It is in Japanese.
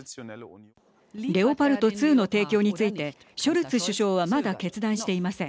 レオパルト２の提供についてショルツ首相はまだ決断していません。